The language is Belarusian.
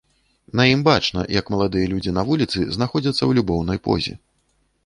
На ім бачна, як маладыя людзі на вуліцы знаходзяцца ў любоўнай позе.